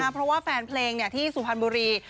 เพราะว่าแฟนเพลงที่สุพรรณบุรี